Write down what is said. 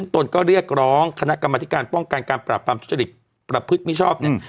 ตนก็เรียกร้องคณะกรรมธิการป้องกันการปราบปรามทุจริตประพฤติมิชอบเนี่ย